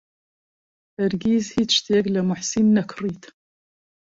هەرگیز هیچ شتێک لە موحسین نەکڕیت.